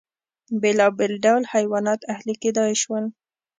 بېلابېل ډول حیوانات اهلي کېدای شول.